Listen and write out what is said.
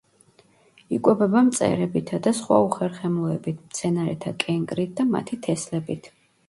იკვებება მწერებითა და სხვა უხერხემლოებით, მცენარეთა კენკრით და მათი თესლებით.